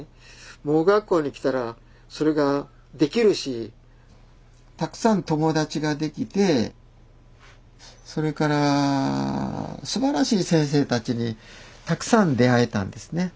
盲学校に来たらそれができるしたくさん友達ができてそれからすばらしい先生たちにたくさん出会えたんですね。